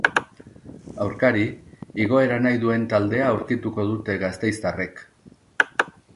Aurkari, igoera nahi duen taldea aurkituko dute gasteiztarrek.